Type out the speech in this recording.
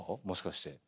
もしかして。